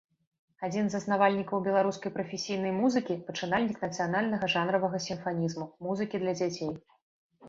Адзін з заснавальнікаў беларускай прафесійнай музыкі, пачынальнік нацыянальнага жанравага сімфанізму, музыкі для дзяцей.